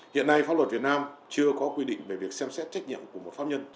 hiện nay pháp luật việt nam chưa có quy định về việc xem xét trách nhiệm của một pháp nhân